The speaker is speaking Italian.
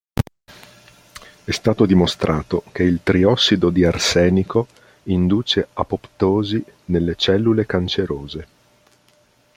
È stato dimostrato che il triossido di arsenico induce apoptosi nelle cellule cancerose.